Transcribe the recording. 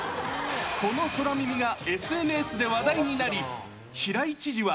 この空耳がＳＮＳで話題になり、平井知事は。